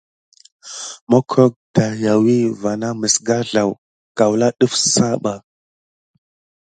Makkrok dariawi va na məs garzlaw kawla ɗəf sah ɓa.